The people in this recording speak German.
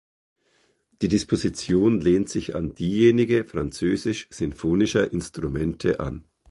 Die Disposition lehnt sich an diejenige französisch-sinfonischer Instrumente an.